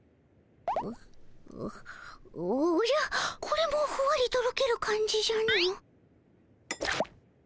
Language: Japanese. これもふわりとろける感じじゃの。